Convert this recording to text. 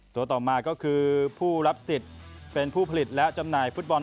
ตัวต่อมาก็คือผู้รับสิทธิ์เป็นผู้ผลิตและจำหน่ายฟุตบอล